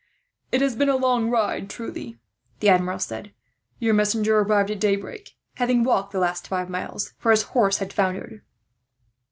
"It has been a long ride, truly," the Admiral said. "Your messenger arrived at daybreak, having walked the last five miles, for his horse had foundered.